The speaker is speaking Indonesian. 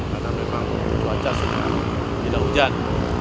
karena memang cuaca sudah tidak hujan